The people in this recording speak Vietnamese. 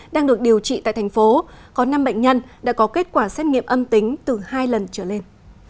đang được điều trị tại thành phố có năm bệnh nhân đã có kết quả xét nghiệm âm tính từ hai lần trở lên